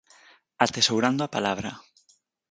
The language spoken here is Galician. Atesourando a palabra.